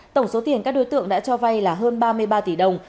tổng số tiền các đối tượng đã cho vay là hơn ba mươi ba tỷ đồng